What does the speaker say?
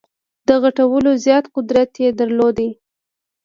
د غټولو زیات قدرت یې درلود.